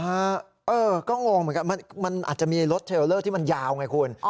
เออก็งงเหมือนกันมันอาจจะมีรถเทลเลอร์ที่มันยาวไงคุณ